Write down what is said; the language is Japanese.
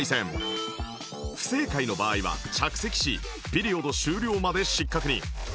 不正解の場合は着席しピリオド終了まで失格に